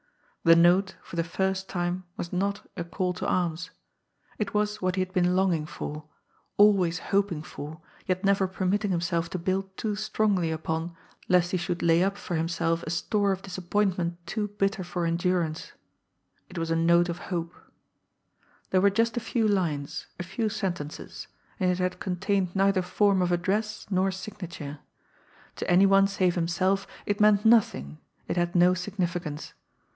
The note, for the first time, was not a "call to arms;" it was what he had been longing for, always hoping for, yet never permitting himself to build too strongly upon lest he should lay up for himself a store of disappointment too bitter for endurance it was a note of hope. There were just a few lines, a few sentences; and it had contained neither form of address nor signature. To any one save himself it meant nothing, it had no significance.